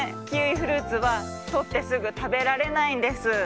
キウイフルーツはとってすぐたべられないんです。